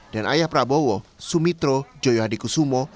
dan ayah prabowo sumitro joyohadikusumo